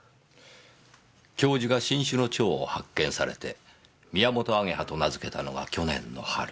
教授が新種の蝶を発見されてミヤモトアゲハと名付けたのが去年の春。